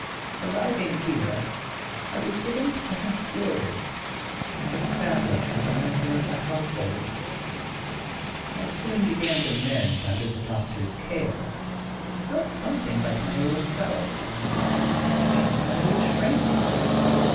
Arriving here, I was given pleasant quarters, and established as a member of the household. I soon began to mend under the doctors care, and felt something like my old self. I regained my old strength.